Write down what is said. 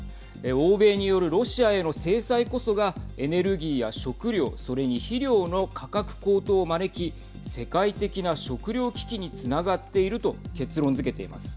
欧米によるロシアへの制裁こそがエネルギーや食料それに肥料の価格高騰を招き世界的な食料危機につながっていると結論づけています。